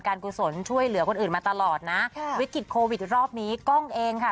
กุศลช่วยเหลือคนอื่นมาตลอดนะค่ะวิกฤตโควิดรอบนี้กล้องเองค่ะ